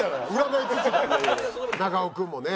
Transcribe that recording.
長尾君もね